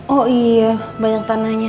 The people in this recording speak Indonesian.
oh iya banyak tanahnya